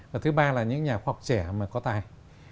và thứ ba là những nhà khoa học trẻ mà có tài